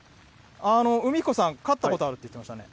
海彦さん、飼ったことあるって言ってましたね。